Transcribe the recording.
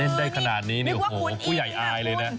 เล่นได้ขนาดนี้โหโหผู้ใหญ่อายเลยละ